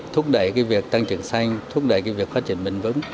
thúc đẩy cái việc tăng trưởng xanh thúc đẩy cái việc phát triển bình vững